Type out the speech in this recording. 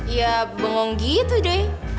ya bengong gitu deh